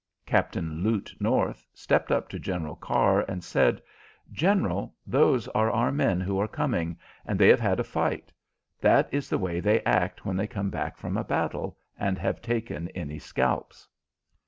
Captain Lute North stepped up to General Carr and said: "General, those are our men who are coming, and they have had a fight. That is the way they act when they come back from a battle and have taken any scalps."